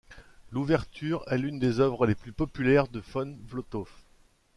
L'ouverture est l'une des œuvres les plus populaires de von Flotow.